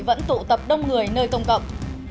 vẫn tụ tập đông người nơi công cộng